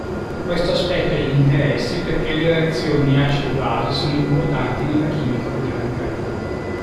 Questo aspetto è di interesse perché le reazioni acido-base sono importanti nella chimica organica.